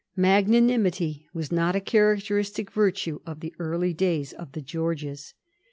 Magnanimity was not a characteristic virtue of the early days of the Georges.